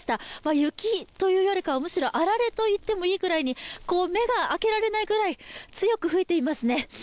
雪というよりかは、むしろ、あられと言ってもいいくらいに目が開けられないくらい、強く吹いていますね。